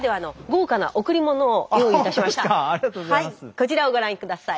こちらをご覧下さい。